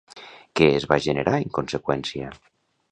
Què es va generar en conseqüència?